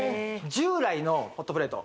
従来のホットプレート